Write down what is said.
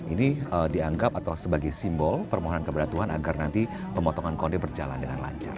ini dianggap atau sebagai simbol permohonan keberatan agar nanti pemotongan konde berjalan dengan lancar